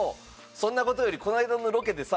「そんな事よりこの間のロケでさ」